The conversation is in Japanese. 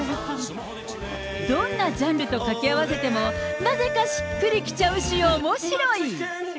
どんなジャンルと掛け合わせても、なぜかしっくりきちゃうし、おもしろい。